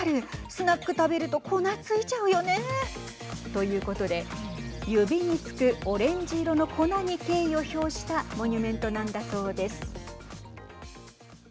スナック食べると粉ついちゃうよね。ということで指につくオレンジ色の粉に敬意を表したモニュメントなんだそうです。